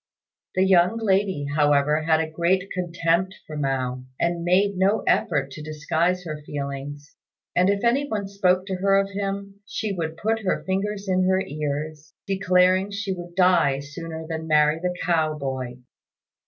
The young lady, however, had a great contempt for Mao, and made no effort to disguise her feelings; and if any one spoke to her of him, she would put her fingers in her ears, declaring she would die sooner than marry the cow boy.